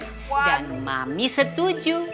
dan mami setuju